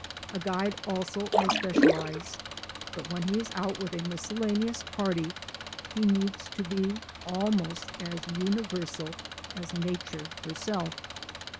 A guide also may specialize, but when he is out with a miscellaneous party he needs to be almost as universal as Nature herself.